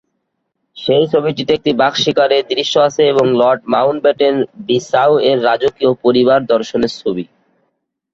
সেই ছবিটিতে একটি বাঘ শিকারে দৃশ্য আছে এবং লর্ড মাউন্টব্যাটেন বিসাউ এর রাজকীয় পরিবার দর্শনের ছবি।